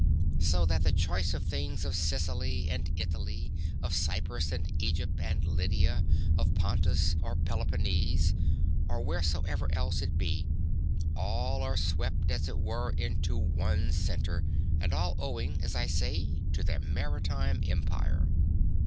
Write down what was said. So that the choice things of Sicily and Italy, of Cyprus and Egypt and Lydia, of Pontus or Peloponnese, or wheresoever else it be, are all swept, as it were, into one centre, and all owing, as I say, to their maritime empire.